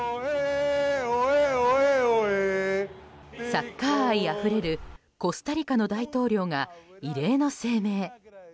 サッカー愛あふれるコスタリカの大統領が異例の声明。